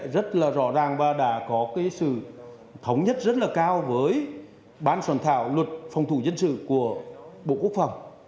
rất là rõ ràng và đã có cái sự thống nhất rất là cao với ban soạn thảo luật phòng thủ dân sự của bộ quốc phòng